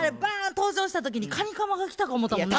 登場した時にカニカマが来たか思うたもんな。